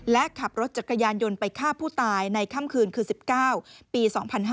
และขับรถจักรยานยนต์ไปฆ่าผู้ตายในค่ำคืนคือ๑๙ปี๒๕๕๙